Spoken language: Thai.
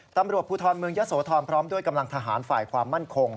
ตำรวจภูทรเมืองยะโสธรพร้อมด้วยกำลังทหารฝ่ายความมั่นคง